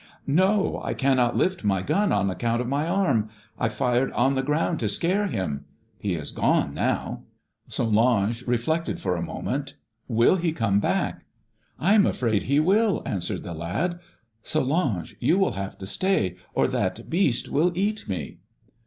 "'No. I cannot lift my gun on account of my arm. I fired on the ground to scare him. He has gone now.' "Solange reflected for a moment. 'Will he come back?' "'I am afraid he will,' answered the lad. 'Solange, you will have to stay, or that beast will eat me.'